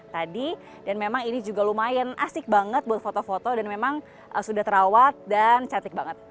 tadi dan memang ini juga lumayan asik banget buat foto foto dan memang sudah terawat dan cantik banget